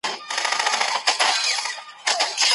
که ته شړومبې څښې نو د ګاز لرونکو څښاکو اړتیا نشته.